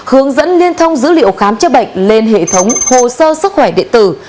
hướng dẫn liên thông dữ liệu khám chế bệnh lên hệ thống hồ sơ sức khỏe địa tử